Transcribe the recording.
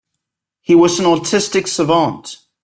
He was an autistic savant.